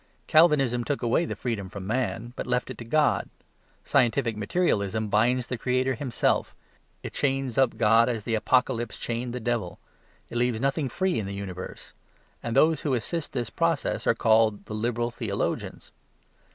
Calvinism took away the freedom from man, but left it to God. Scientific materialism binds the Creator Himself; it chains up God as the Apocalypse chained the devil. It leaves nothing free in the universe. And those who assist this process are called the "liberal theologians."